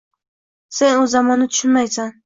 Sen u zamonni tushunmaysan